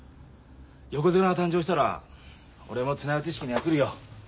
横綱が誕生したら俺も綱打ち式には来るよ。